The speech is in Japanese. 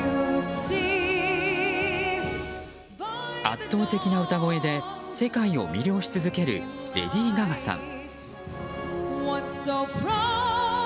圧倒的な歌声で世界を魅了し続けるレディー・ガガさん。